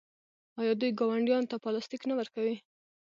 آیا دوی ګاونډیانو ته پلاستیک نه ورکوي؟